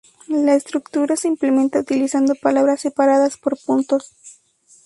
La estructura se implementa utilizando palabras separadas por puntos.